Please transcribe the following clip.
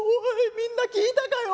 みんな聞いたかよ。